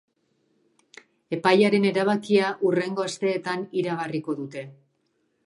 Epailearen erabakia hurrengo asteetan iragarriko dute.